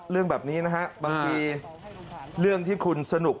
เรื่องแบบนี้นะฮะบางทีเรื่องที่คุณสนุก